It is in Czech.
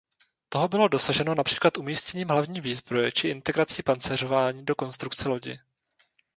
Toho bylo dosaženo například umístěním hlavní výzbroje či integrací pancéřování do konstrukce lodi.